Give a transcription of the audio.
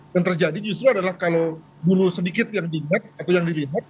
yang terjadi justru adalah kalau dulu sedikit yang dilihat atau yang dilihat